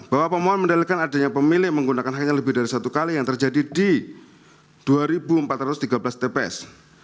bahwa pemohon mendalilkan adanya pemilik menggunakan hanya lebih dari satu kali yang terjadi di dua empat ratus tiga belas tps